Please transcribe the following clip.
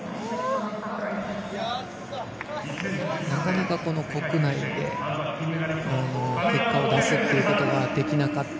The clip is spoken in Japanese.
なかなか国内で結果を出すってことができなかった。